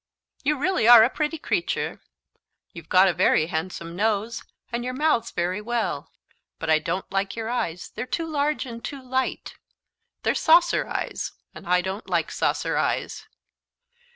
"You really are a pretty creature! You've got a very handsome nose, and your mouth's very well, but I don't like your eyes; they're too large and too light; they're saucer eyes, and I don't like saucer eyes.